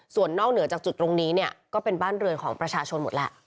ส่วนนอกเหนือจากจุดตรงนี้เนี่ยก็เป็นบ้านเรือนของประชาชนหมดแหละ